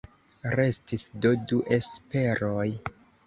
Restis do du esperoj.